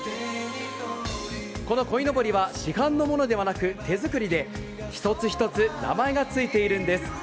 この鯉のぼりは市販のものではなく手作りで１つ１つ名前がついているんです。